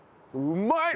うまい！